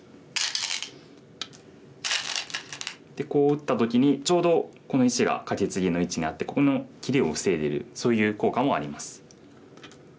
でこう打った時にちょうどこの石がカケツギの位置にあってここの切りを防いでるそういう効果もあります。